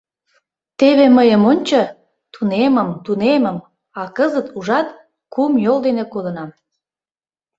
Теве мыйым ончо, тунемым, тунемым, а кызыт, ужат, кум йол дене кодынам.